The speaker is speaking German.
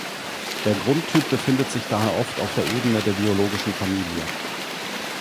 Der Grundtyp befindet sich daher oft auf der Ebene der biologischen Familie.